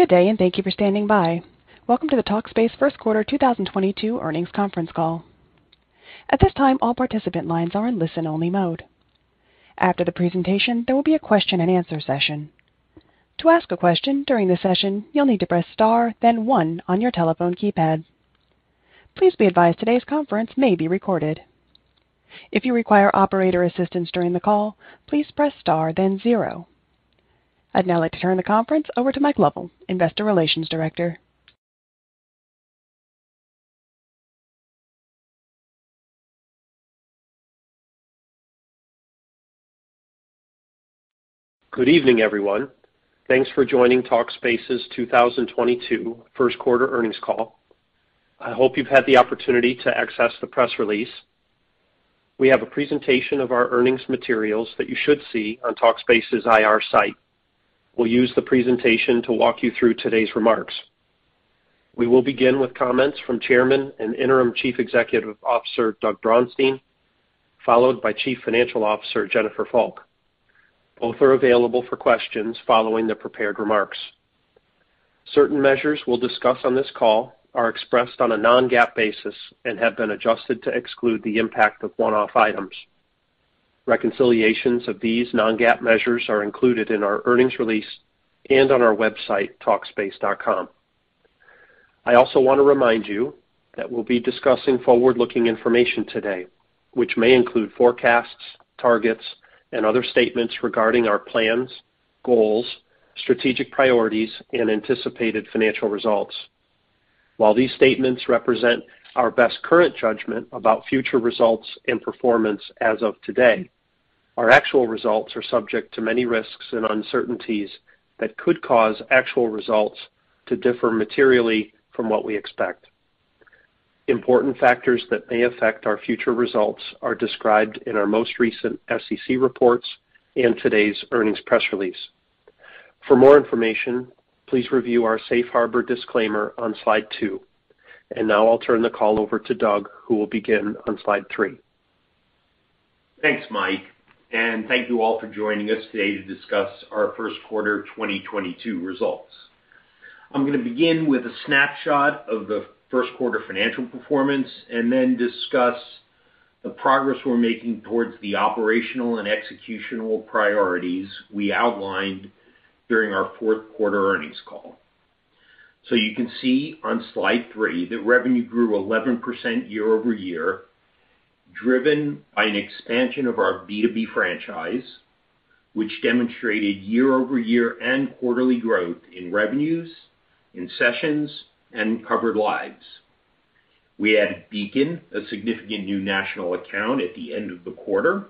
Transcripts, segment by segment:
Good day, and thank you for standing by. Welcome to the Talkspace Q1 2022 earnings conference call. At this time, all participant lines are in listen-only mode. After the presentation, there will be a question-and-answer session. To ask a question during the session, you'll need to press Star, then one on your telephone keypad. Please be advised today's conference may be recorded. If you require operator assistance during the call, please press Star, then zero. I'd now like to turn the conference over to Mike Lovell, Investor Relations Director. Good evening, everyone. Thanks for joining Talkspace's 2022 Q1 earnings call. I hope you've had the opportunity to access the press release. We have a presentation of our earnings materials that you should see on Talkspace's IR site. We'll use the presentation to walk you through today's remarks. We will begin with comments from Chairman and Interim Chief Executive Officer, Doug Braunstein, followed by Chief Financial Officer, Jennifer Fulk. Both are available for questions following the prepared remarks. Certain measures we'll discuss on this call are expressed on a non-GAAP basis and have been adjusted to exclude the impact of one-off items. Reconciliations of these non-GAAP measures are included in our earnings release and on our website, Talkspace. I also want to remind you that we'll be discussing forward-looking information today, which may include forecasts, targets, and other statements regarding our plans, goals, strategic priorities, and anticipated financial results. While these statements represent our best current judgment about future results and performance as of today, our actual results are subject to many risks and uncertainties that could cause actual results to differ materially from what we expect. Important factors that may affect our future results are described in our most recent SEC reports and today's earnings press release. For more information, please review our safe harbor disclaimer on slide two. Now I'll turn the call over to Doug, who will begin on slide three. Thanks, Mike, and thank you all for joining us today to discuss our Q1 2022 results. I'm gonna begin with a snapshot of the Q1financial performance and then discuss the progress we're making towards the operational and executional priorities we outlined during our Q4 earnings call. You can see on slide 3 that revenue grew 11% year-over-year, driven by an expansion of our B to B franchise, which demonstrated year-over-year and quarterly growth in revenues, in sessions, and covered lives. We added Beacon, a significant new national account, at the end of the quarter,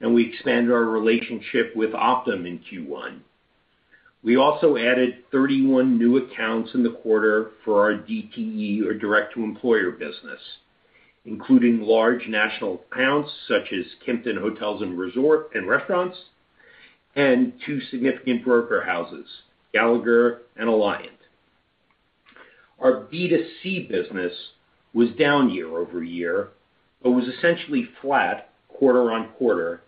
and we expanded our relationship with Optum in Q1. We also added 31 new accounts in the quarter for our DTE or direct to employer business, including large national accounts such as Kimpton Hotels & Restaurants, and two significant broker houses, Gallagher and Alliant. Our B2C business was down year over year, but was essentially flat quarter on quarter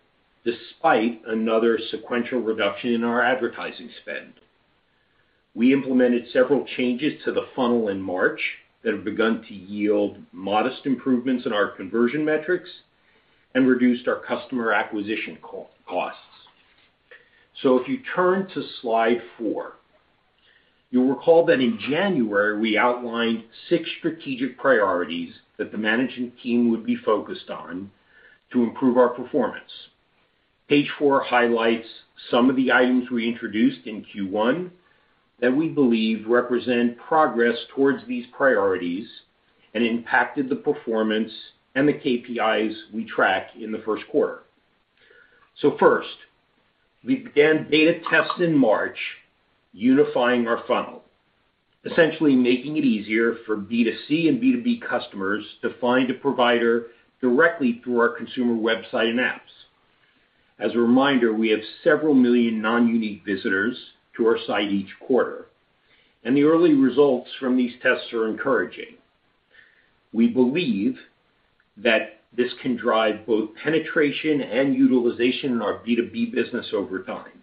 despite another sequential reduction in our advertising spend. We implemented several changes to the funnel in March that have begun to yield modest improvements in our conversion metrics and reduced our customer acquisition costs. If you turn to slide four, you'll recall that in January we outlined six strategic priorities that the management team would be focused on to improve our performance. Page four highlights some of the items we introduced in Q1 that we believe represent progress towards these priorities and impacted the performance and the KPIs we track in the Q1. First, we began beta tests in March unifying our funnel, essentially making it easier for B2C and B2B customers to find a provider directly through our consumer website and apps. As a reminder, we have several million non-unique visitors to our site each quarter, and the early results from these tests are encouraging. We believe that this can drive both penetration and utilization in our B2B business over time.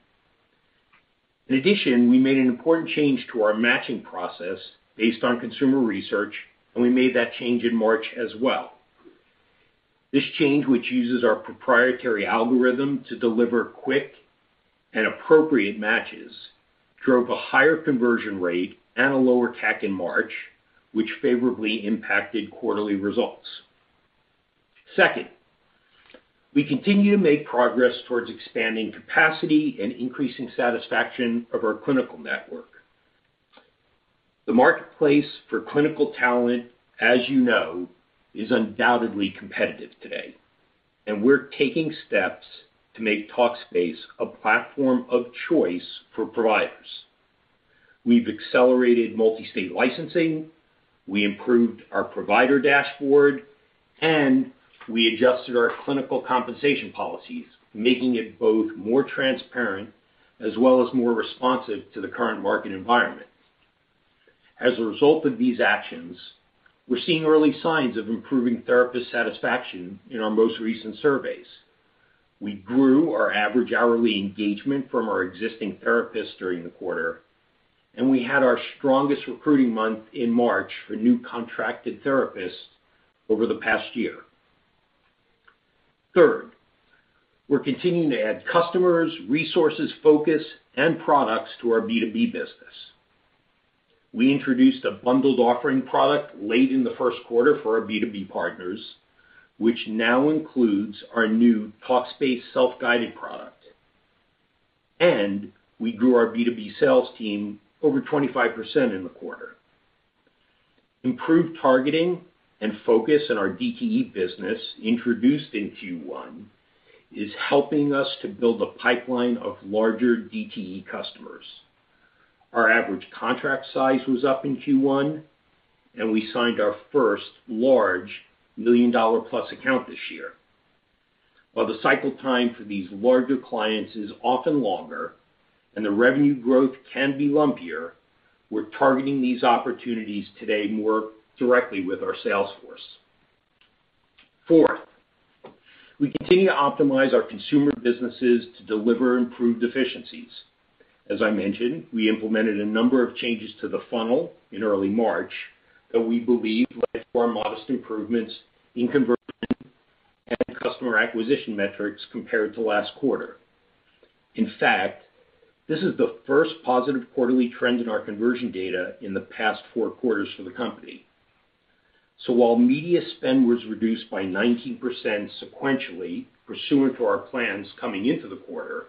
In addition, we made an important change to our matching process based on consumer research, and we made that change in March as well. This change, which uses our proprietary algorithm to deliver quick and appropriate matches, drove a higher conversion rate and a lower CAC in March, which favorably impacted quarterly results. Second, we continue to make progress towards expanding capacity and increasing satisfaction of our clinical network. The marketplace for clinical talent, as you know, is undoubtedly competitive today, and we're taking steps to make Talkspace a platform of choice for providers. We've accelerated multi-state licensing, we improved our provider dashboard, and we adjusted our clinical compensation policies, making it both more transparent as well as more responsive to the current market environment. As a result of these actions, we're seeing early signs of improving therapist satisfaction in our most recent surveys. We grew our average hourly engagement from our existing therapists during the quarter, and we had our strongest recruiting month in March for new contracted therapists over the past year. Third, we're continuing to add customers, resources, focus, and products to our B2B business. We introduced a bundled offering product late in the Q1 for our B2B partners, which now includes our new Talkspace Self-Guided product. We grew our B2B sales team over 25% in the quarter. Improved targeting and focus in our DTE business introduced in Q1 is helping us to build a pipeline of larger DTE customers. Our average contract size was up in Q1, and we signed our first large $1 million-plus account this year. While the cycle time for these larger clients is often longer and the revenue growth can be lumpier, we're targeting these opportunities today more directly with our sales force. Fourth, we continue to optimize our consumer businesses to deliver improved efficiencies. As I mentioned, we implemented a number of changes to the funnel in early March that we believe led to our modest improvements in conversion and customer acquisition metrics compared to last quarter. In fact, this is the first positive quarterly trend in our conversion data in the past Q4 for the company. While media spend was reduced by 19% sequentially pursuant to our plans coming into the quarter,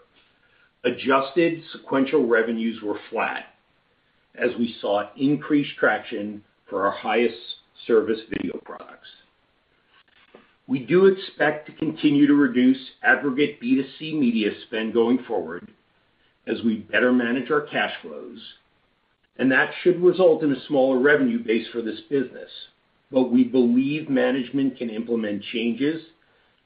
adjusted sequential revenues were flat as we saw increased traction for our highest service video products. We do expect to continue to reduce aggregate B2C media spend going forward as we better manage our cash flows, and that should result in a smaller revenue base for this business. We believe management can implement changes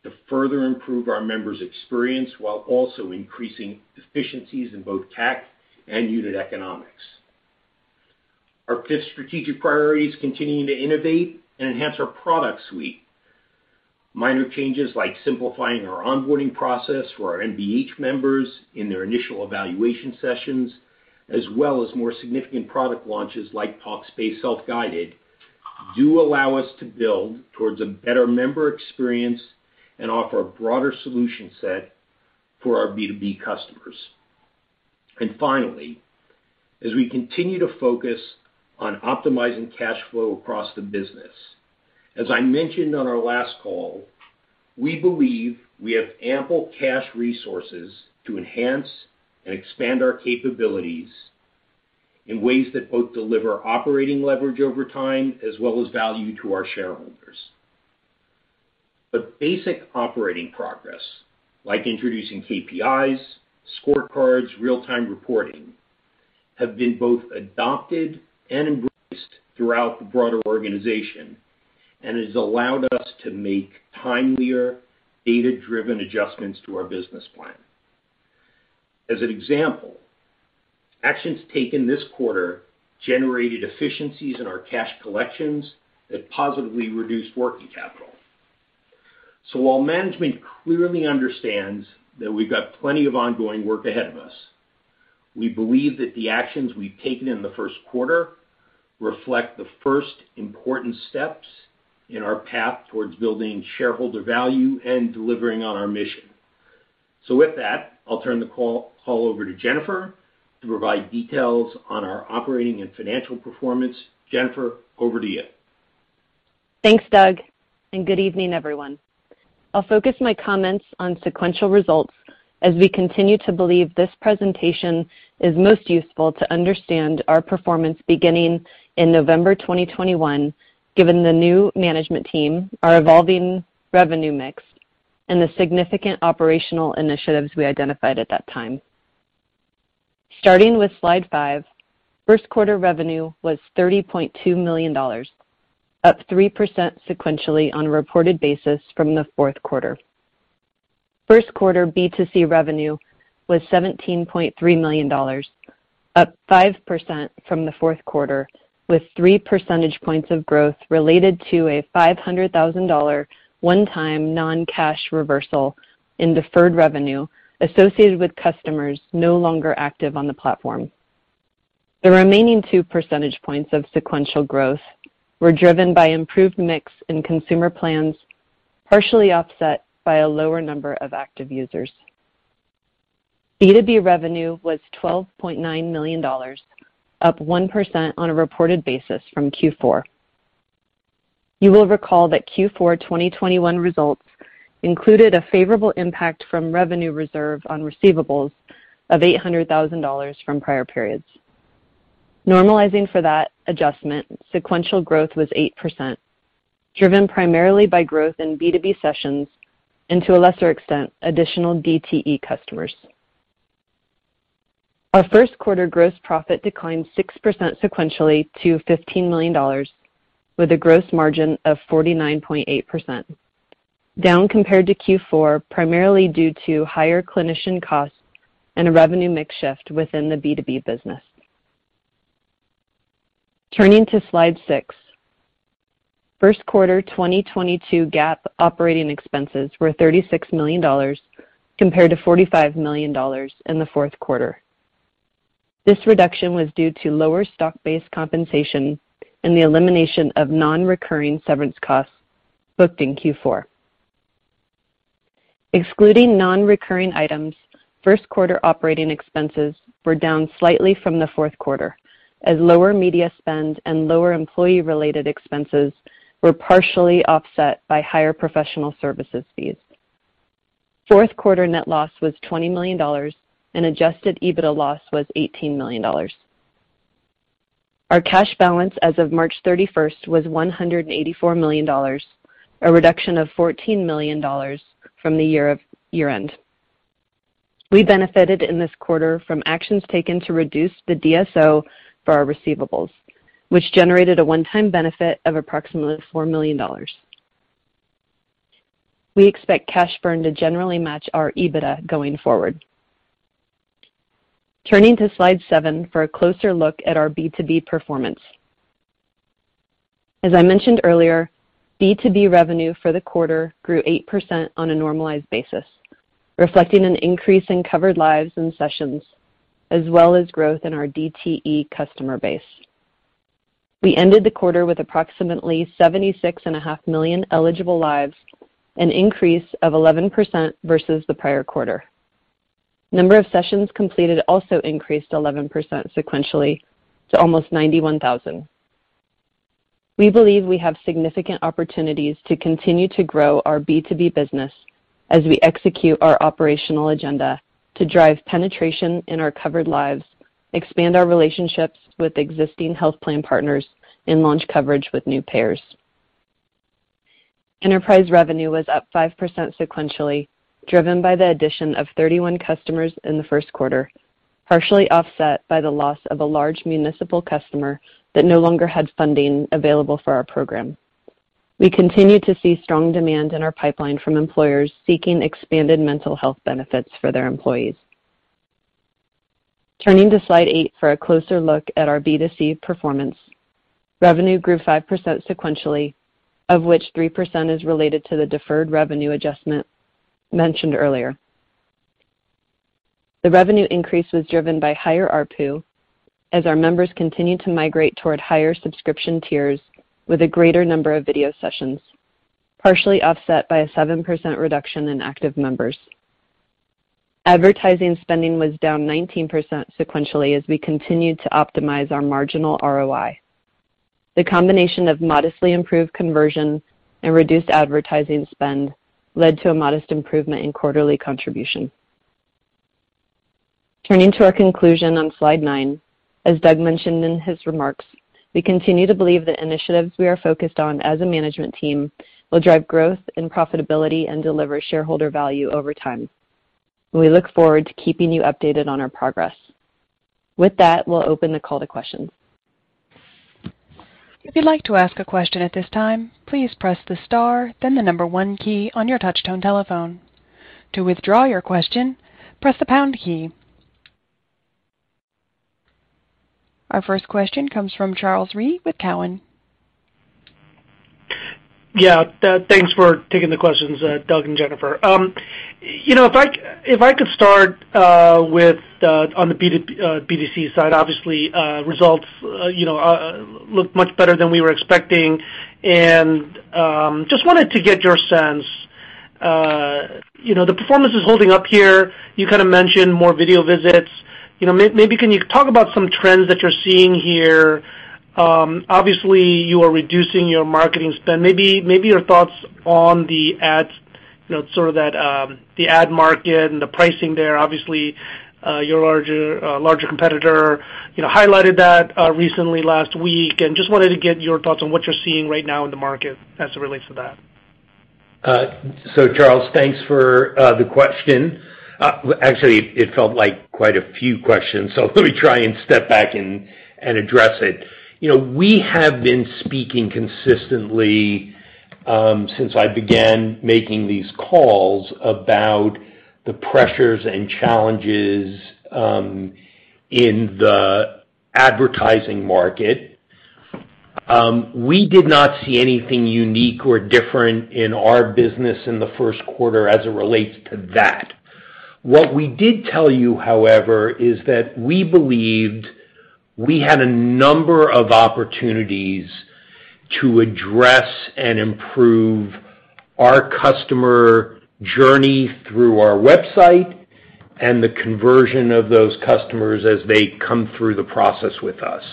to further improve our members' experience while also increasing efficiencies in both CAC and unit economics. Our fifth strategic priority is continuing to innovate and enhance our product suite. Minor changes like simplifying our onboarding process for our MBH members in their initial evaluation sessions, as well as more significant product launches like Talkspace Self-Guided, do allow us to build towards a better member experience and offer a broader solution set for our B2B customers. Finally, as we continue to focus on optimizing cash flow across the business, as I mentioned on our last call, we believe we have ample cash resources to enhance and expand our capabilities in ways that both deliver operating leverage over time as well as value to our shareholders. The basic operating progress like introducing KPIs, scorecards, real-time reporting, have been both adopted and embraced throughout the broader organization and has allowed us to make timelier, data-driven adjustments to our business plan. As an example, actions taken this quarter generated efficiencies in our cash collections that positively reduced working capital. While management clearly understands that we've got plenty of ongoing work ahead of us, we believe that the actions we've taken in the Q1 reflect the first important steps in our path towards building shareholder value and delivering on our mission. with that, I'll turn the call over to Jennifer to provide details on our operating and financial performance. Jennifer, over to you. Thanks, Doug, and good evening, everyone. I'll focus my comments on sequential results as we continue to believe this presentation is most useful to understand our performance beginning in November 2021, given the new management team, our evolving revenue mix, and the significant operational initiatives we identified at that time. Starting with slide 5, Q1 revenue was $30.2 million, up 3% sequentially on a reported basis from the Q4. Q1 B2C revenue was $17.3 million, up 5% from the Q4, with 3 percentage points of growth related to a $500,000 one-time non-cash reversal in deferred revenue associated with customers no longer active on the platform. The remaining 2 percentage points of sequential growth were driven by improved mix in consumer plans, partially offset by a lower number of active users. B2B revenue was $12.9 million, up 1% on a reported basis from Q4. You will recall that Q4 2021 results included a favorable impact from revenue reserve on receivables of $800,000 from prior periods. Normalizing for that adjustment, sequential growth was 8%, driven primarily by growth in B2B sessions and, to a lesser extent, additional DTE customers. Our Q1 gross profit declined 6% sequentially to $15 million, with a gross margin of 49.8%. Down compared to Q4, primarily due to higher clinician costs and a revenue mix shift within the B2B business. Turning to slide 6. Q1 2022 GAAP operating expenses were $36 million compared to $45 million in the Q4. This reduction was due to lower stock-based compensation and the elimination of non-recurring severance costs booked in Q4. Excluding non-recurring items, Q1 operating expenses were down slightly from the Q4 as lower media spend and lower employee related expenses were partially offset by higher professional services fees. Q1 net loss was $20 million and adjusted EBITDA loss was $18 million. Our cash balance as of March 31 was $184 million, a reduction of $14 million from year-end. We benefited in this quarter from actions taken to reduce the DSO for our receivables, which generated a one-time benefit of approximately $4 million. We expect cash burn to generally match our EBITDA going forward. Turning to slide 7 for a closer look at our B2B performance. As I mentioned earlier, B2B revenue for the quarter grew 8% on a normalized basis, reflecting an increase in covered lives and sessions, as well as growth in our DTE customer base. We ended the quarter with approximately 76.5 million eligible lives, an increase of 11% versus the prior quarter. Number of sessions completed also increased 11% sequentially to almost 91,000. We believe we have significant opportunities to continue to grow our B2B business as we execute our operational agenda to drive penetration in our covered lives, expand our relationships with existing health plan partners and launch coverage with new payers. Enterprise revenue was up 5% sequentially, driven by the addition of 31 customers in the Q1, partially offset by the loss of a large municipal customer that no longer had funding available for our program. We continue to see strong demand in our pipeline from employers seeking expanded mental health benefits for their employees. Turning to slide eight for a closer look at our B2C performance. Revenue grew 5% sequentially, of which 3% is related to the deferred revenue adjustment mentioned earlier. The revenue increase was driven by higher ARPU as our members continued to migrate toward higher subscription tiers with a greater number of video sessions, partially offset by a 7% reduction in active members. Advertising spending was down 19% sequentially as we continued to optimize our marginal ROI. The combination of modestly improved conversion and reduced advertising spend led to a modest improvement in quarterly contribution. Turning to our conclusion on slide nine. As Doug mentioned in his remarks, we continue to believe the initiatives we are focused on as a management team will drive growth and profitability and deliver shareholder value over time. We look forward to keeping you updated on our progress. With that, we'll open the call to questions. If you'd like to ask a question at this time, please press the star, then the number one key on your touchtone telephone. To withdraw your question, press the pound key. Our first question comes from Charles Rhyee with Cowen. Yeah, thanks for taking the questions, Doug and Jennifer. You know, if I could start with on the B2C side, obviously, results you know look much better than we were expecting and just wanted to get your sense. You know, the performance is holding up here. You kind of mentioned more video visits. You know, maybe can you talk about some trends that you're seeing here? Obviously, you are reducing your marketing spend. Maybe your thoughts on the ads sort of that the ad market and the pricing there. Obviously, your larger competitor you know highlighted that recently last week. Just wanted to get your thoughts on what you're seeing right now in the market as it relates to that. Charles, thanks for the question. Actually, it felt like quite a few questions, so let me try and step back and address it. You know, we have been speaking consistently since I began making these calls about the pressures and challenges in the advertising market. We did not see anything unique or different in our business in the Q1 as it relates to that. What we did tell you, however, is that we believed we had a number of opportunities to address and improve our customer journey through our website and the conversion of those customers as they come through the process with us.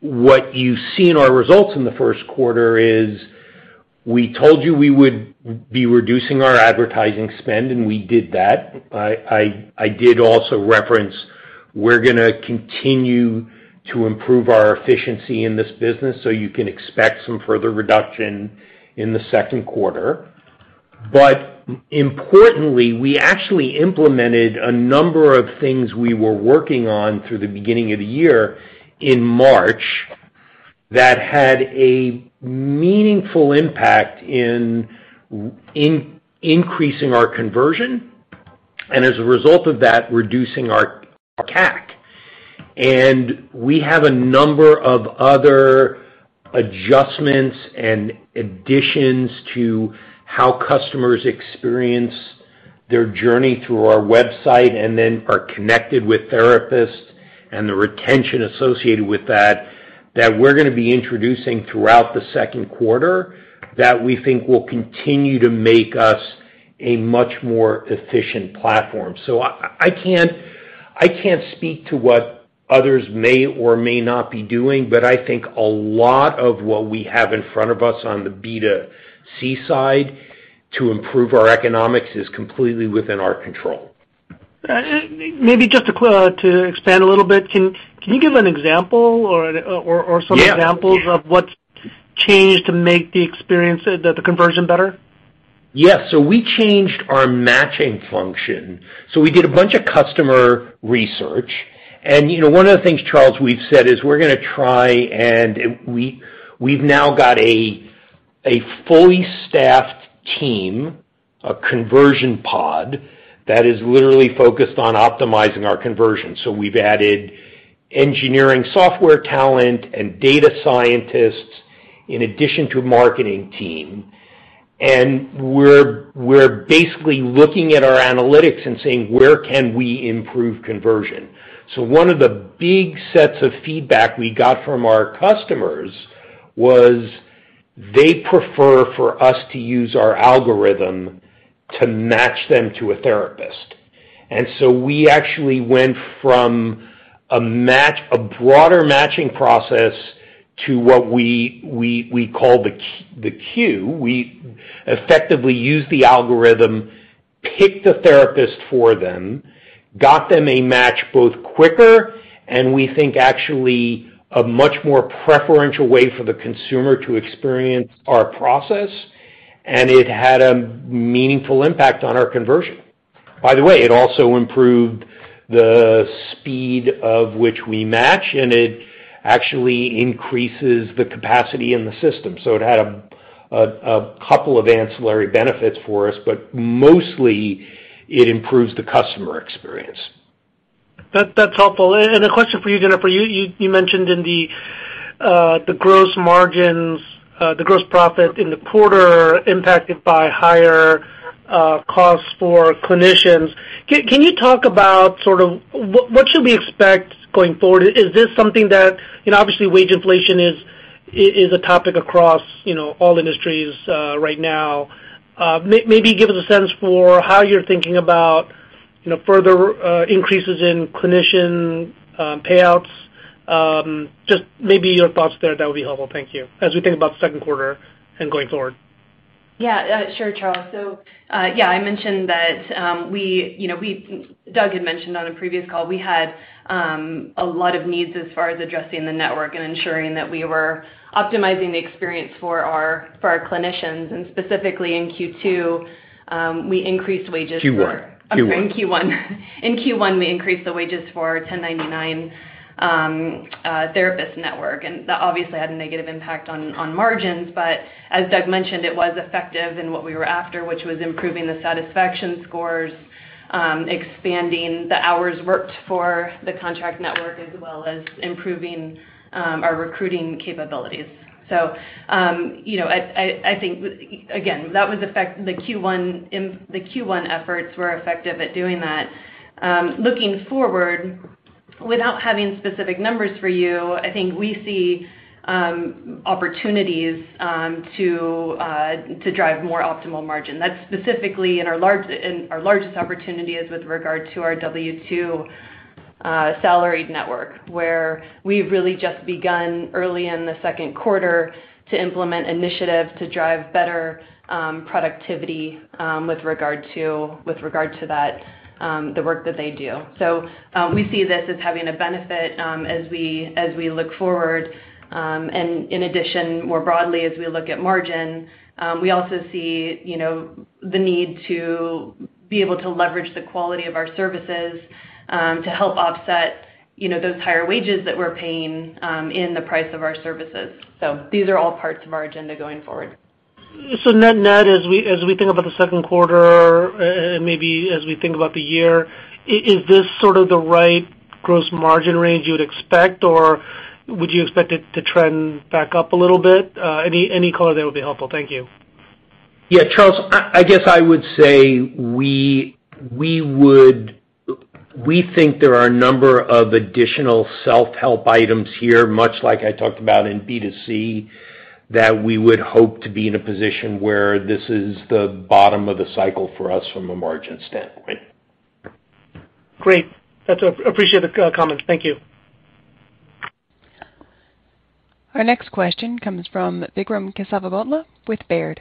What you see in our results in the Q1 is we told you we would be reducing our advertising spend, and we did that. I did also reference we're gonna continue to improve our efficiency in this business, so you can expect some further reduction in the Q2. Importantly, we actually implemented a number of things we were working on through the beginning of the year in March that had a meaningful impact in increasing our conversion, and as a result of that, reducing our CAC. We have a number of other adjustments and additions to how customers experience their journey through our website and then are connected with therapists and the retention associated with that we're gonna be introducing throughout the Q2 that we think will continue to make us a much more efficient platform. I can't speak to what others may or may not be doing, but I think a lot of what we have in front of us on the B2C side to improve our economics is completely within our control. Maybe just to expand a little bit, can you give an example or some examples? Yeah. of what's changed to make the experience, the conversion better? Yes. We changed our matching function. We did a bunch of customer research. You know, one of the things, Charles, we've said is we're gonna try and we've now got a fully staffed team, a conversion pod that is literally focused on optimizing our conversion. We've added engineering software talent and data scientists in addition to a marketing team. We're basically looking at our analytics and saying, "Where can we improve conversion?" One of the big sets of feedback we got from our customers was they prefer for us to use our algorithm to match them to a therapist. We actually went from a match, a broader matching process to what we call the queue. We effectively use the algorithm, pick the therapist for them, got them a match both quicker, and we think actually a much more preferential way for the consumer to experience our process, and it had a meaningful impact on our conversion. By the way, it also improved the speed of which we match, and it actually increases the capacity in the system. It had a couple of ancillary benefits for us, but mostly it improves the customer experience. That's helpful. A question for you, Jennifer. You mentioned in the gross margins the gross profit in the quarter impacted by higher costs for clinicians. Can you talk about sort of what should we expect going forward? Is this something that you know, obviously wage inflation is a topic across you know, all industries right now. Maybe give us a sense for how you're thinking about you know, further increases in clinician payouts. Just maybe your thoughts there, that would be helpful. Thank you. As we think about the Q2 and going forward. Yeah. Sure, Charles. I mentioned that Doug had mentioned on a previous call, we had a lot of needs as far as addressing the network and ensuring that we were optimizing the experience for our clinicians. Specifically in Q2, we increased wages for- Q1. In Q1, we increased the wages for our 1099 therapist network, and that obviously had a negative impact on margins. As Doug mentioned, it was effective in what we were after, which was improving the satisfaction scores, expanding the hours worked for the contract network, as well as improving our recruiting capabilities. I think, again, that was effective. The Q1 efforts were effective at doing that. Looking forward, without having specific numbers for you, I think we see opportunities to drive more optimal margin. That's specifically in our largest opportunity is with regard to our W2 salaried network, where we've really just begun early in the Q2 to implement initiatives to drive better productivity with regard to that the work that they do. We see this as having a benefit as we look forward. In addition, more broadly as we look at margin, we also see you know the need to be able to leverage the quality of our services to help offset you know those higher wages that we're paying in the price of our services. These are all parts of our agenda going forward. Net, as we think about the Q2 and maybe as we think about the year, is this sort of the right gross margin range you would expect, or would you expect it to trend back up a little bit? Any color there would be helpful. Thank you. Yeah, Charles, I guess I would say we would. We think there are a number of additional self-help items here, much like I talked about in B2C, that we would hope to be in a position where this is the bottom of the cycle for us from a margin standpoint. Great. Appreciate the comment. Thank you. Our next question comes from Vikram Kesavabhotla with Baird.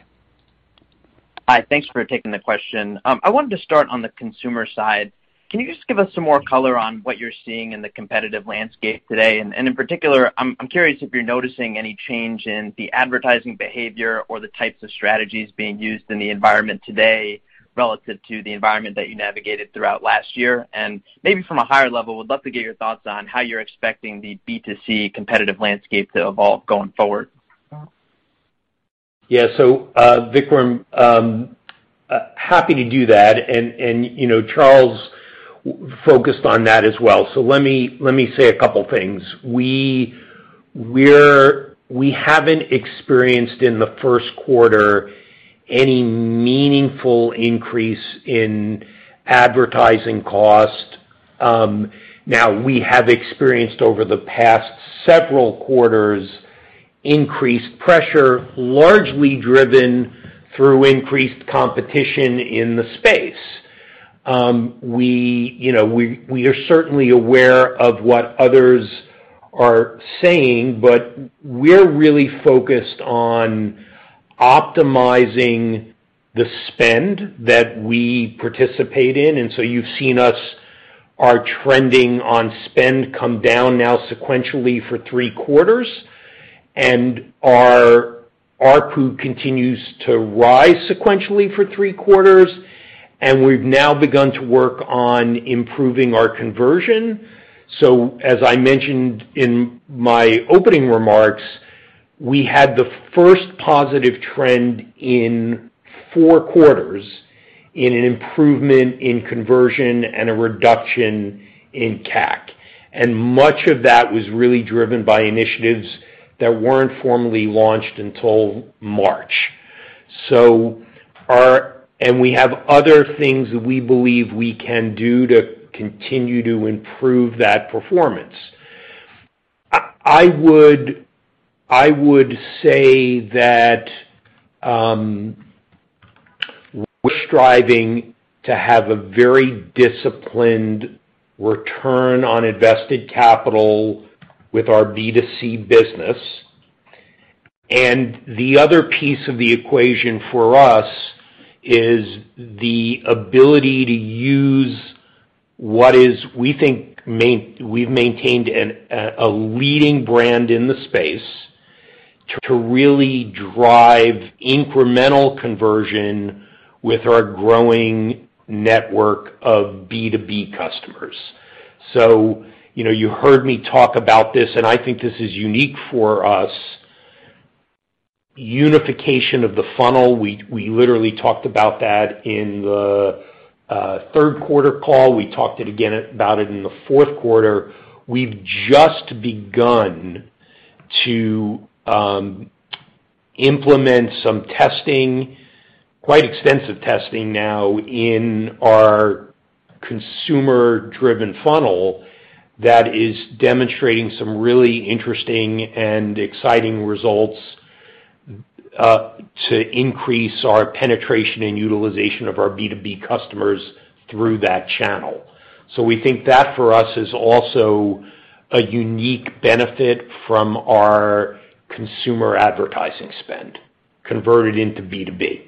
Hi. Thanks for taking the question. I wanted to start on the consumer side. Can you just give us some more color on what you're seeing in the competitive landscape today? In particular, I'm curious if you're noticing any change in the advertising behavior or the types of strategies being used in the environment today relative to the environment that you navigated throughout last year. Maybe from a higher level, would love to get your thoughts on how you're expecting the B2C competitive landscape to evolve going forward. Yeah. Vikram, happy to do that, and you know, Charles, who's focused on that as well. Let me say a couple things. We haven't experienced in the Q1 any meaningful increase in advertising cost. Now we have experienced over the past several quarters increased pressure, largely driven through increased competition in the space. You know, we are certainly aware of what others are saying, but we're really focused on optimizing the spend that we participate in. You've seen us our trending on spend come down now sequentially for three quarters, and our ARPU continues to rise sequentially for three quarters. We've now begun to work on improving our conversion. As I mentioned in my opening remarks, we had the first positive trend in four quarters in an improvement in conversion and a reduction in CAC. Much of that was really driven by initiatives that weren't formally launched until March. We have other things that we believe we can do to continue to improve that performance. I would say that we're striving to have a very disciplined return on invested capital with our B2C business. The other piece of the equation for us is the ability to use what we think we've maintained a leading brand in the space to really drive incremental conversion with our growing network of B2B customers. You know, you heard me talk about this, and I think this is unique for us, unification of the funnel. We literally talked about that in the Q3 call. We talked about it again in the Q4. We've just begun to implement some testing, quite extensive testing now in our consumer-driven funnel that is demonstrating some really interesting and exciting results to increase our penetration and utilization of our B2B customers through that channel. We think that for us is also a unique benefit from our consumer advertising spend converted into B2B.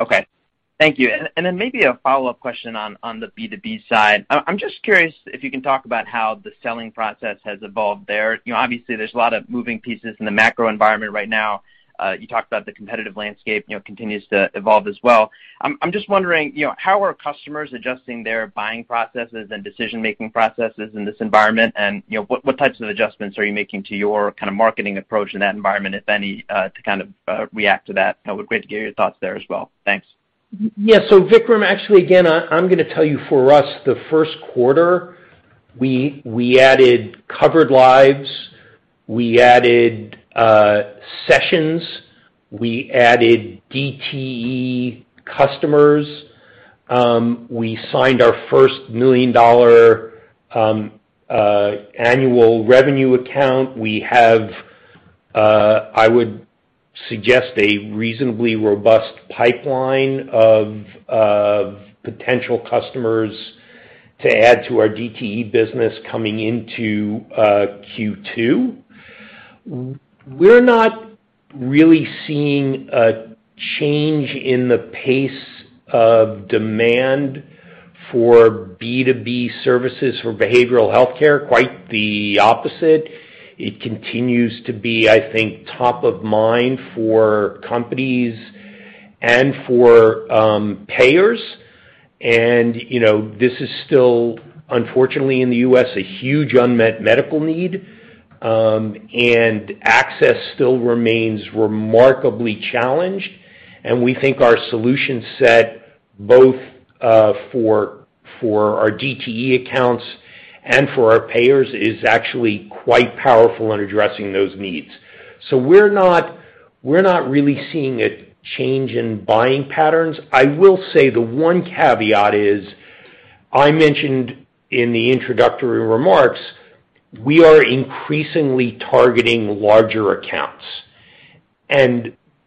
Okay. Thank you. Then maybe a follow-up question on the B2B side. I'm just curious if you can talk about how the selling process has evolved there. You know, obviously there's a lot of moving pieces in the macro environment right now. You talked about the competitive landscape continues to evolve as well. I'm just wondering how are customers adjusting their buying processes and decision-making processes in this environment? You know, what types of adjustments are you making to your kind of marketing approach in that environment, if any, to kind of react to that? That would be great to get your thoughts there as well. Thanks. Yes. Vikram, actually again, I'm gonna tell you for us, the Q1, we added covered lives, we added sessions, we added DTE customers, we signed our first $1 million annual revenue account. We have I would suggest a reasonably robust pipeline of potential customers to add to our DTE business coming into Q2. We're not really seeing a change in the pace of demand for B2B services for behavioral healthcare, quite the opposite. It continues to be, I think, top of mind for companies and for payers. You know, this is still, unfortunately, in the U.S., a huge unmet medical need, and access still remains remarkably challenged, and we think our solution set both for our DTE accounts and for our payers is actually quite powerful in addressing those needs. We're not really seeing a change in buying patterns. I will say the one caveat is, I mentioned in the introductory remarks, we are increasingly targeting larger accounts.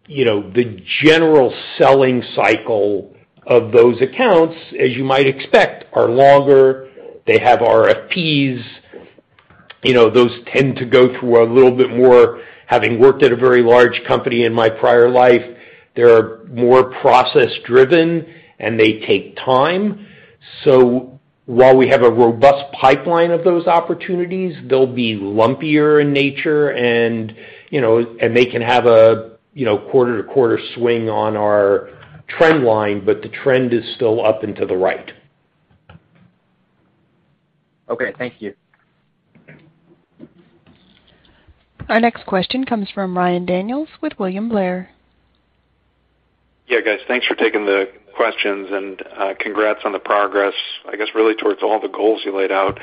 You know, the general selling cycle of those accounts, as you might expect, are longer. They have RFPs. You know, those tend to go through a little bit more. Having worked at a very large company in my prior life, they are more process-driven, and they take time. While we have a robust pipeline of those opportunities, they'll be lumpier in nature and and they can have a quarter-to-quarter swing on our trend line, but the trend is still up and to the right. Okay. Thank you. Our next question comes from Ryan Daniels with William Blair. Yeah, guys. Thanks for taking the questions, and congrats on the progress, I guess, really towards all the goals you laid out.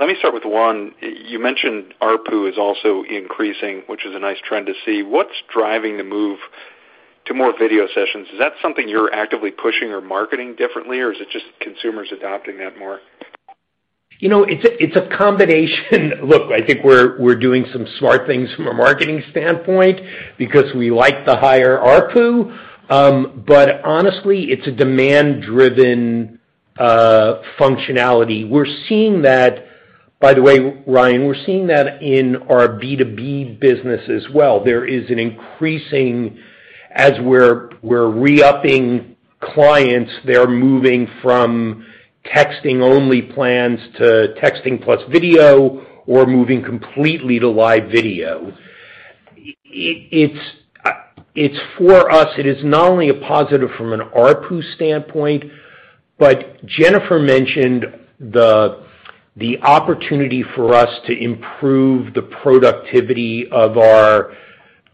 Let me start with one. You mentioned ARPU is also increasing, which is a nice trend to see. What's driving the move to more video sessions? Is that something you're actively pushing or marketing differently, or is it just consumers adopting that more? You know, it's a combination. Look, I think we're doing some smart things from a marketing standpoint because we like the higher ARPU. Honestly, it's a demand-driven functionality. We're seeing that. By the way, Ryan, we're seeing that in our B2B business as well. There is an increasing, as we're re-upping clients, they're moving from texting-only plans to texting plus video or moving completely to live video. It's, for us, it is not only a positive from an ARPU standpoint, but Jennifer mentioned the opportunity for us to improve the productivity of our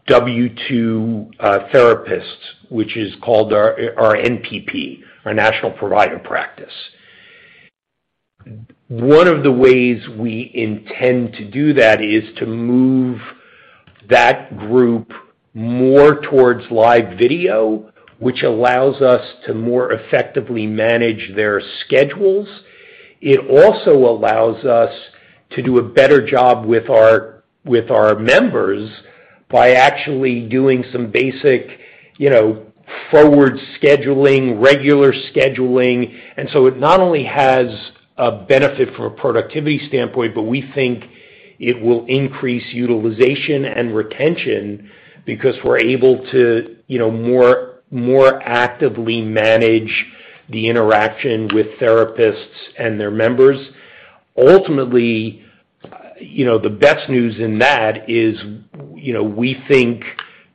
W-2 therapists, which is called our NPP, our National Practice Providers. One of the ways we intend to do that is to move that group more towards live video, which allows us to more effectively manage their schedules. It also allows us to do a better job with our members by actually doing some basic forward scheduling, regular scheduling. It not only has a benefit from a productivity standpoint, but we think it will increase utilization and retention because we're able to more actively manage the interaction with therapists and their members. Ultimately the best news in that is we think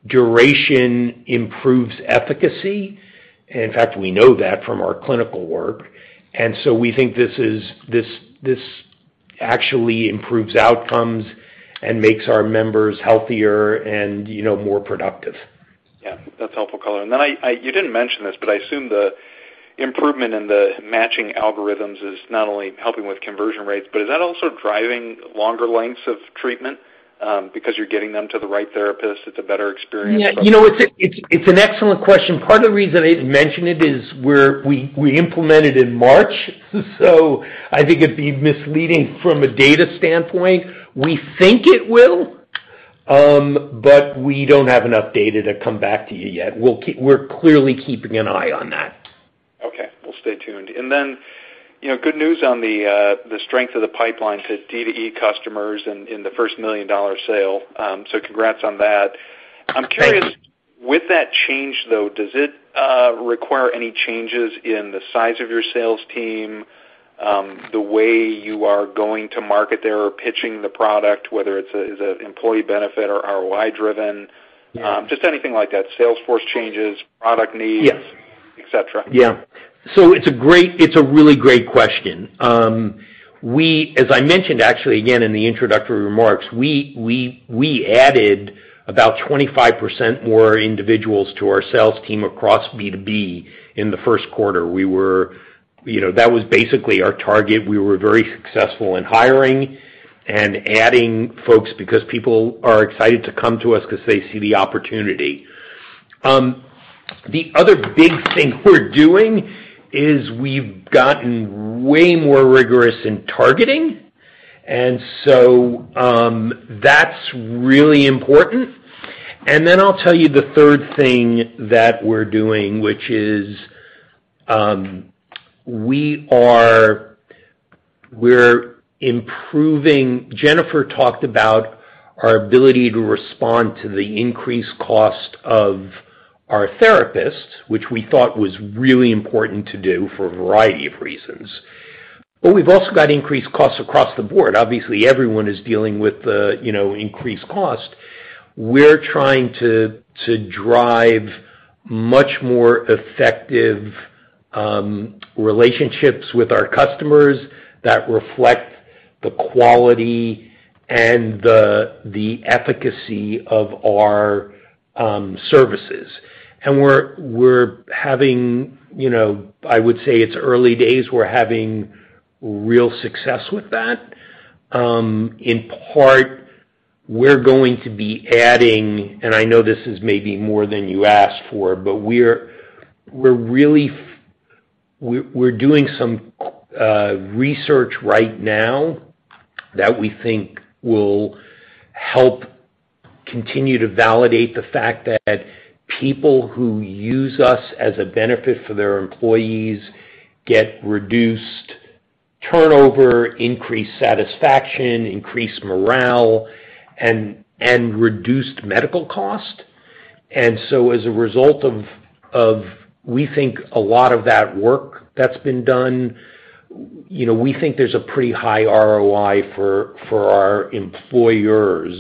duration improves efficacy. In fact, we know that from our clinical work. We think this actually improves outcomes and makes our members healthier and more productive. Yeah. That's helpful color. You didn't mention this, but I assume the improvement in the matching algorithms is not only helping with conversion rates, but is that also driving longer lengths of treatment, because you're getting them to the right therapist, it's a better experience? Yeah it's an excellent question. Part of the reason I didn't mention it is we implemented in March, so I think it'd be misleading from a data standpoint. We think it will, but we don't have enough data to come back to you yet. We're clearly keeping an eye on that. Okay. We'll stay tuned. You know, good news on the strength of the pipeline to DTE customers in the first $1 million sale, so congrats on that. Thanks. I'm curious, with that change, though, does it require any changes in the size of your sales team, the way you are going to market, they're pitching the product, whether it's employee benefit or ROI driven? Yeah. Just anything like that. Sales force changes, product needs. Yes. Et cetera. It's a really great question. As I mentioned, actually, again, in the introductory remarks, we added about 25% more individuals to our sales team across B2B in the Q1. You know, that was basically our target. We were very successful in hiring and adding folks because people are excited to come to us 'cause they see the opportunity. The other big thing we're doing is we've gotten way more rigorous in targeting. That's really important. I'll tell you the third thing that we're doing, which is, we're improving. Jennifer talked about our ability to respond to the increased cost of our therapists, which we thought was really important to do for a variety of reasons. We've also got increased costs across the board. Obviously, everyone is dealing with the increased cost. We're trying to drive much more effective relationships with our customers that reflect the quality and the efficacy of our services. I would say it's early days, we're having real success with that. In part, we're going to be adding, and I know this is maybe more than you asked for, but we're really doing some research right now that we think will help continue to validate the fact that people who use us as a benefit for their employees get reduced turnover, increased satisfaction, increased morale, and reduced medical cost. As a result of, we think a lot of that work that's been done, we think there's a pretty high ROI for our employers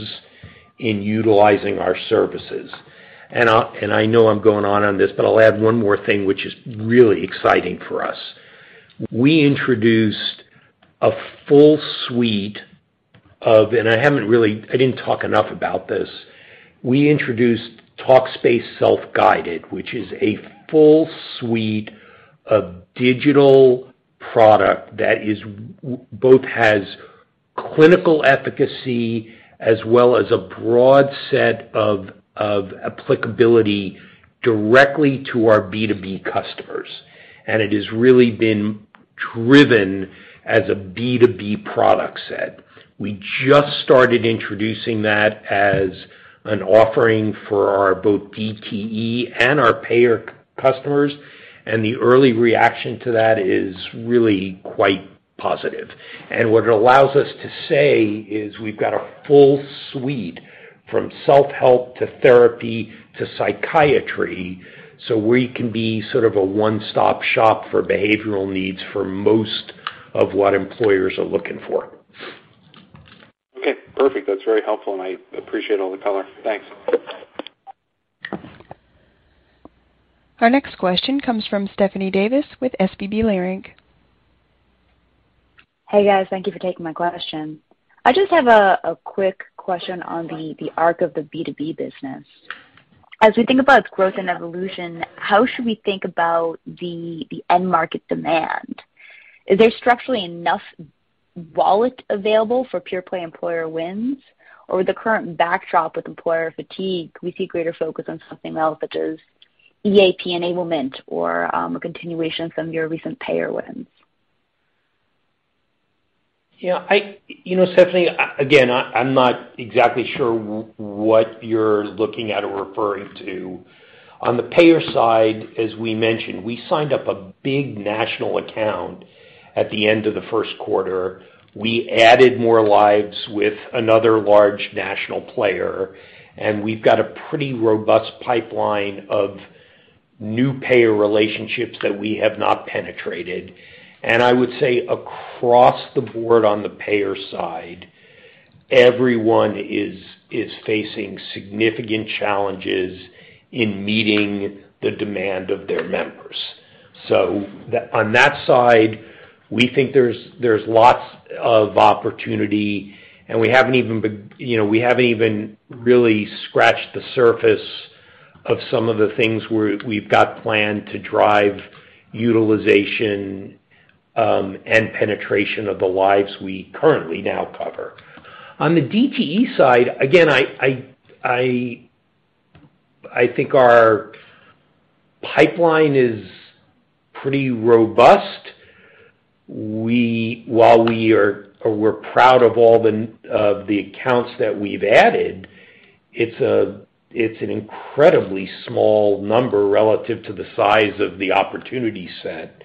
in utilizing our services. I know I'm going on this, but I'll add one more thing which is really exciting for us. I haven't really. I didn't talk enough about this. We introduced Talkspace Self-Guided, which is a full suite of digital product that both has clinical efficacy as well as a broad set of applicability directly to our B2B customers. It has really been driven as a B2B product set. We just started introducing that as an offering for both our DTE and our payer customers, and the early reaction to that is really quite positive. What it allows us to say is we've got a full suite from self-help to therapy to psychiatry, so we can be sort of a one-stop shop for behavioral needs for most of what employers are looking for. Okay, perfect. That's very helpful, and I appreciate all the color. Thanks. Our next question comes from Stephanie Davis with SVB Leerink. Hey, guys. Thank you for taking my question. I just have a quick question on the arc of the B2B business. As we think about growth and evolution, how should we think about the end market demand? Is there structurally enough wallet available for pure play employer wins, or the current backdrop with employer fatigue, we see greater focus on something else, such as EAP enablement or a continuation of some of your recent payer wins? Yeah Stephanie, again, I'm not exactly sure what you're looking at or referring to. On the payer side, as we mentioned, we signed up a big national account at the end of the Q1. We added more lives with another large national player, and we've got a pretty robust pipeline of new payer relationships that we have not penetrated. I would say across the board on the payer side, everyone is facing significant challenges in meeting the demand of their members. On that side, we think there's lots of opportunity, and we haven't even you know, we haven't even really scratched the surface of some of the things we've got planned to drive utilization, and penetration of the lives we currently now cover. On the DTE side, again, I think our pipeline is pretty robust. While we're proud of all the number of accounts that we've added, it's an incredibly small number relative to the size of the opportunity set.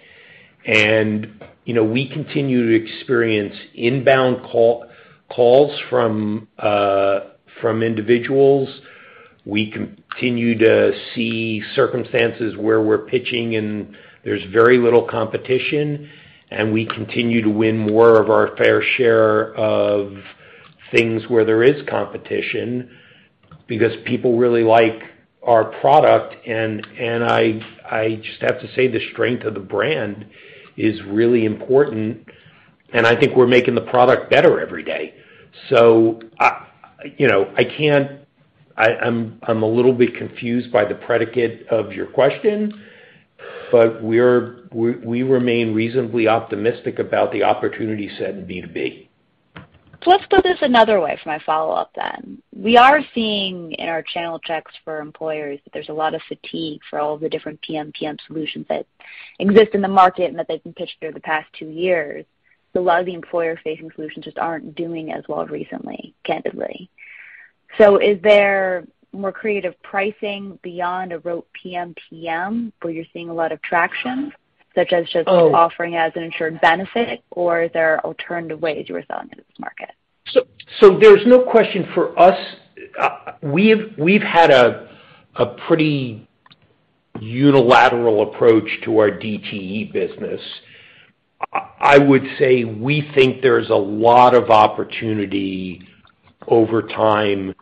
You know, we continue to experience inbound calls from individuals. We continue to see circumstances where we're pitching and there's very little competition, and we continue to win more of our fair share of things where there is competition because people really like our product. I just have to say the strength of the brand is really important, and I think we're making the product better every day. You know, I'm a little bit confused by the predicate of your question, but we remain reasonably optimistic about the opportunity set in B2B. Let's put this another way for my follow-up then. We are seeing in our channel checks for employers that there's a lot of fatigue for all the different PMPM solutions that exist in the market and that they've been pitched over the past two years. A lot of the employer-facing solutions just aren't doing as well recently, candidly. Is there more creative pricing beyond a rote PMPM where you're seeing a lot of traction, such as just offering as an insured benefit, or are there alternative ways you were selling in this market? There's no question for us. We've had a pretty unilateral approach to our DTE business. I would say we think there's a lot of opportunity over time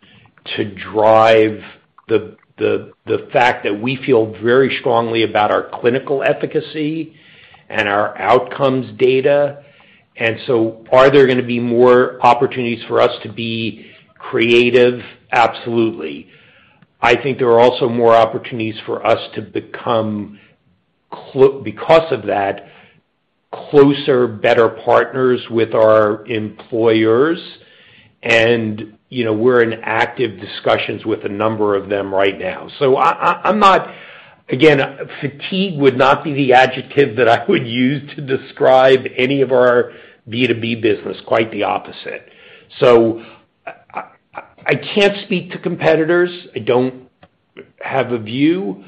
to drive the fact that we feel very strongly about our clinical efficacy and our outcomes data. Are there gonna be more opportunities for us to be creative? Absolutely. I think there are also more opportunities for us to become closer because of that, better partners with our employers and we're in active discussions with a number of them right now. Again, fatigue would not be the adjective that I would use to describe any of our B2B business. Quite the opposite. I can't speak to competitors. I don't have a view.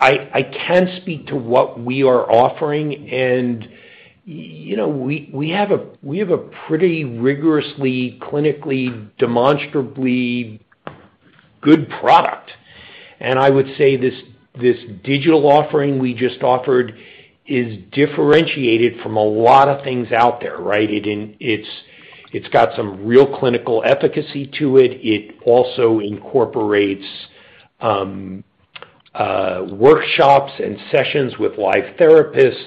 I can speak to what we are offering and we have a pretty rigorously, clinically, demonstrably good product. I would say this digital offering we just offered is differentiated from a lot of things out there, right? It's got some real clinical efficacy to it. It also incorporates workshops and sessions with live therapists.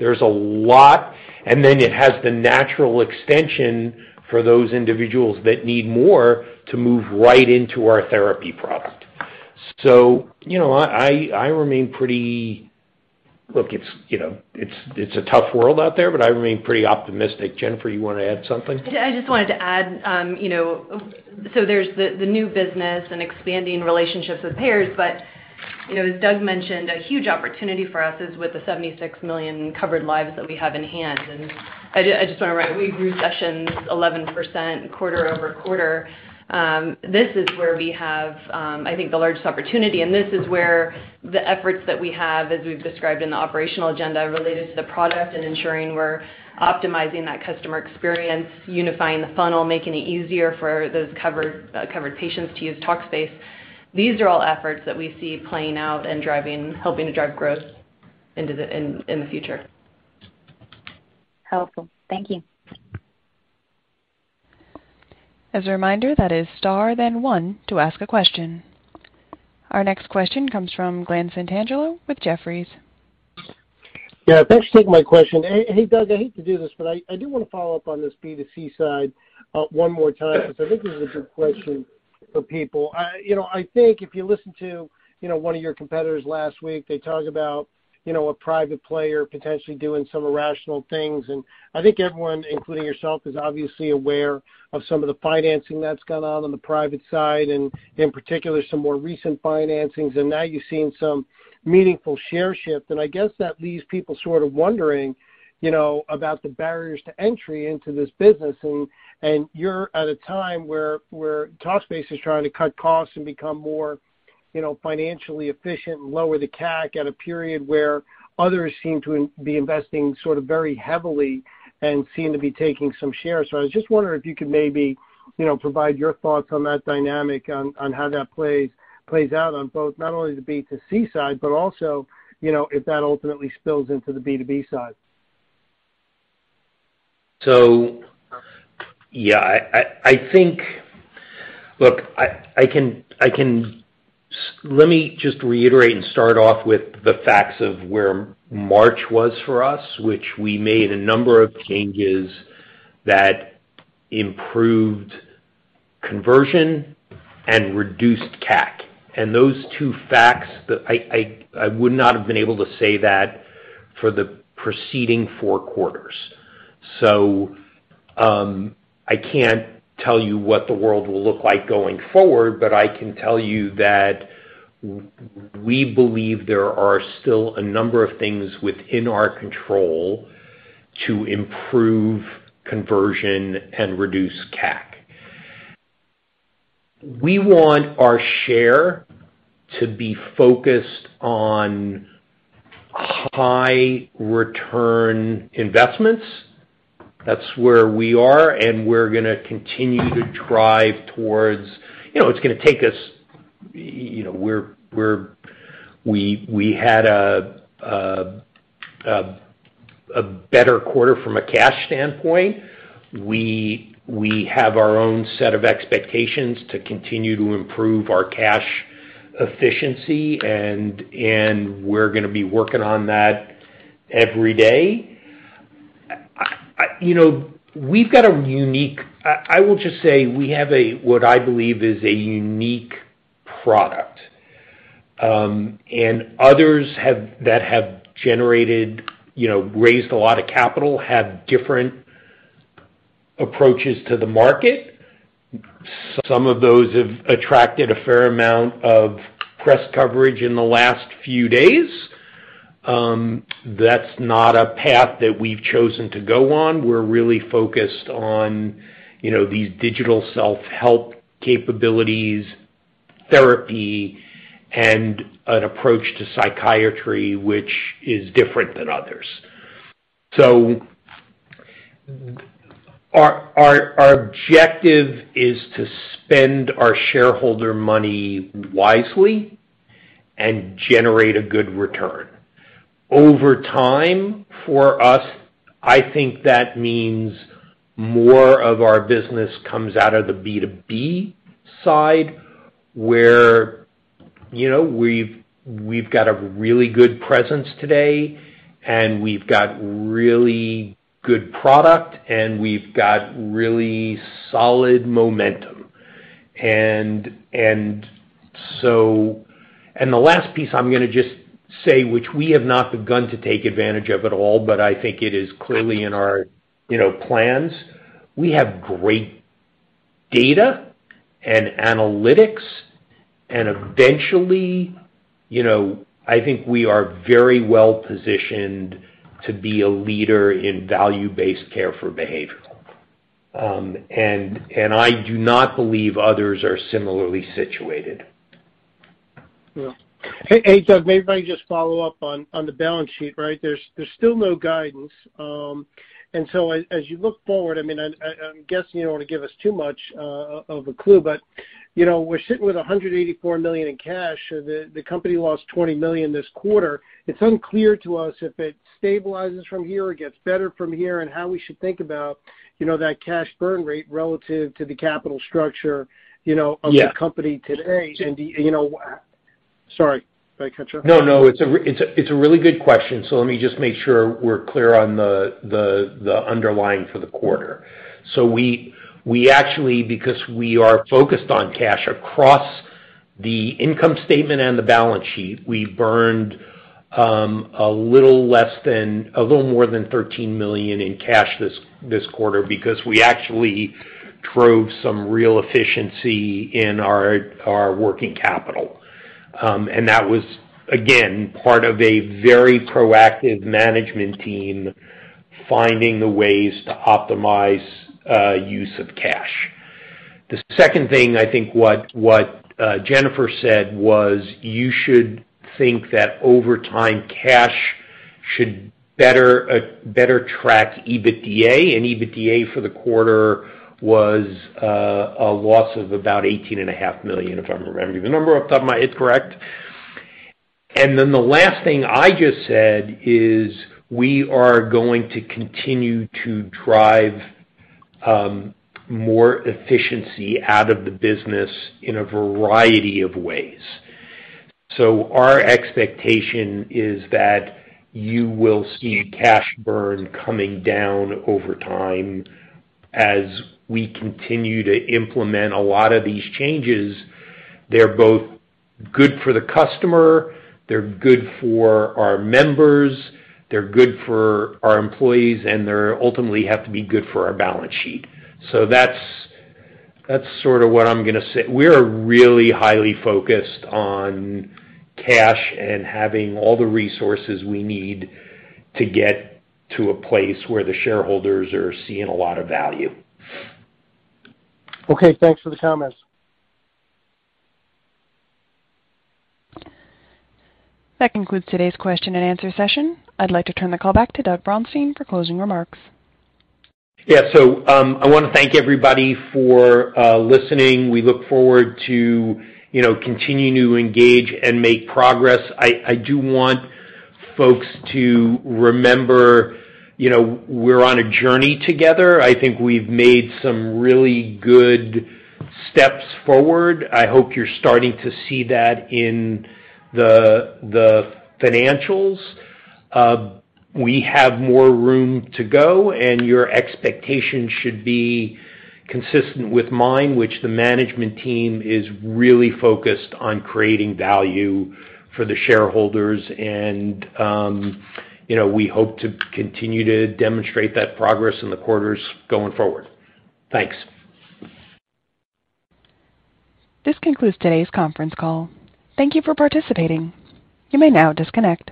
There's a lot. Then it has the natural extension for those individuals that need more to move right into our therapy product. You know, I remain pretty. Look, it's a tough world out there, but I remain pretty optimistic. Jennifer, you wanna add something? I just wanted to add so there's the new business and expanding relationships with payers, but as Doug mentioned, a huge opportunity for us is with the 76 million covered lives that we have in hand. We grew sessions 11% quarter-over-quarter. This is where we have, I think the largest opportunity, and this is where the efforts that we have, as we've described in the operational agenda, are related to the product and ensuring we're optimizing that customer experience, unifying the funnel, making it easier for those covered patients to use Talkspace. These are all efforts that we see playing out and driving, helping to drive growth in the future. Helpful. Thank you. As a reminder, that is star, then one to ask a question. Our next question comes from Glen Santangelo with Jefferies. Yeah, thanks for taking my question. Hey, Doug, I hate to do this, but I do wanna follow up on this B2C side one more time, because I think this is a good question for people. You know, I think if you listen to one of your competitors last week, they talk about a private player potentially doing some irrational things. I think everyone, including yourself, is obviously aware of some of the financing that's gone on on the private side, and in particular, some more recent financings. Now you're seeing some meaningful share shift, and I guess that leaves people sort of wondering about the barriers to entry into this business. You're at a time where Talkspace is trying to cut costs and become more financially efficient and lower the CAC at a period where others seem to be investing sort of very heavily and seem to be taking some shares. I was just wondering if you could maybe provide your thoughts on that dynamic, on how that plays out on both not only the B2C side, but also if that ultimately spills into the B2B side. Yeah. Let me just reiterate and start off with the facts of where March was for us, which we made a number of changes that improved conversion and reduced CAC. Those two facts that I would not have been able to say that for the preceding four quarters. I can't tell you what the world will look like going forward, but I can tell you that we believe there are still a number of things within our control to improve conversion and reduce CAC. We want our share to be focused on high return investments. That's where we are, and we're gonna continue to drive towards. You know, it's gonna take us we had a better quarter from a cash standpoint. We have our own set of expectations to continue to improve our cash efficiency, and we're gonna be working on that every day. You know, I will just say we have a, what I believe is a unique product. Others that have generated raised a lot of capital, have different approaches to the market. Some of those have attracted a fair amount of press coverage in the last few days. That's not a path that we've chosen to go on. We're really focused on these digital self-help capabilities, therapy, and an approach to psychiatry which is different than others. Our objective is to spend our shareholder money wisely and generate a good return. Over time, for us, I think that means more of our business comes out of the B2B side, where we've got a really good presence today, and we've got really good product, and we've got really solid momentum. The last piece I'm gonna just say, which we have not begun to take advantage of at all, but I think it is clearly in our plans. We have great data and analytics, and eventually I think we are very well-positioned to be a leader in value-based care for behavioral. I do not believe others are similarly situated. Hey, Doug, might I just follow up on the balance sheet, right? There's still no guidance, as you look forward, I mean, I'm guessing you don't wanna give us too much of a clue, but we're sitting with $184 million in cash. The company lost $20 million this quarter. It's unclear to us if it stabilizes from here or gets better from here, and how we should think about that cash burn rate relative to the capital structure, you know. Yeah. of the company today. You know, sorry, did I cut you off? No, no. It's a really good question, so let me just make sure we're clear on the underlying for the quarter. We actually, because we are focused on cash across the income statement and the balance sheet, burned a little more than $13 million in cash this quarter because we actually drove some real efficiency in our working capital. That was, again, part of a very proactive management team finding the ways to optimize use of cash. The second thing, I think what Jennifer Fulk said was, you should think that over time, cash should better track EBITDA. EBITDA for the quarter was a loss of about $18.5 million, if I'm remembering the number off the top of my head correct. Then the last thing I just said is, we are going to continue to drive more efficiency out of the business in a variety of ways. Our expectation is that you will see cash burn coming down over time as we continue to implement a lot of these changes. They're both good for the customer, they're good for our members, they're good for our employees, and they're ultimately have to be good for our balance sheet. That's sort of what I'm gonna say. We are really highly focused on cash and having all the resources we need to get to a place where the shareholders are seeing a lot of value. Okay. Thanks for the comments. That concludes today's question and answer session. I'd like to turn the call back to Doug Braunstein for closing remarks. Yeah. I wanna thank everybody for listening. We look forward to continuing to engage and make progress. I do want folks to remember we're on a journey together. I think we've made some really good steps forward. I hope you're starting to see that in the financials. We have more room to go, and your expectations should be consistent with mine, which the management team is really focused on creating value for the shareholders and we hope to continue to demonstrate that progress in the quarters going forward. Thanks. This concludes today's conference call. Thank you for participating. You may now disconnect.